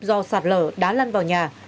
do sạt lở đá lăn vào nhà